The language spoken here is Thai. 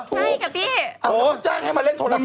ใช่กับพี่เอาแล้วก็จ้างให้มาเล่นโทรศัพท์ของเธอ